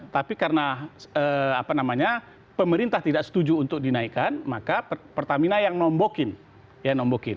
tapi karena pemerintah tidak setuju untuk dinaikkan maka pertamina yang nombokin